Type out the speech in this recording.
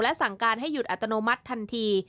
สั่งการให้หยุดอัตโนมัติทันที